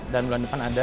dan bulan depan ada